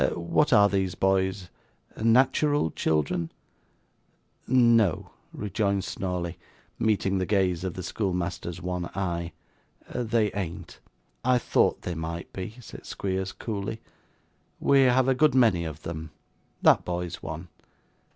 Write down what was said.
What are these boys; natural children?' 'No,' rejoined Snawley, meeting the gaze of the schoolmaster's one eye. 'They ain't.' 'I thought they might be,' said Squeers, coolly. 'We have a good many of them; that boy's one.